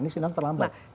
ini sinal terlambat